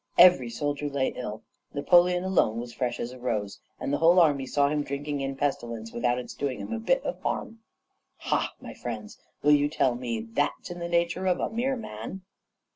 Every soldier lay ill. Napoleon alone was fresh as a rose, and the whole army saw him drinking in pestilence without its doing him a bit of harm. "Ha! my friends! will you tell me that that's in the nature of a mere man?